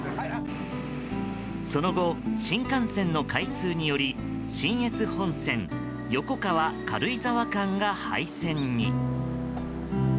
その後、新幹線の開通により信越本線横川軽井沢間が廃線に。